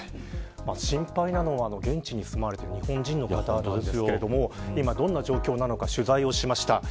心配なのは、現地に住まわれている日本人の方ですが今、どんな状況なのか取材しました。